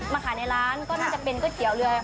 มาขายในร้านก็น่าจะเป็นก๋วยเตี๋ยวเรือ